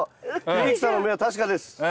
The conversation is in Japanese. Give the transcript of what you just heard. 秀樹さんの目は確かです。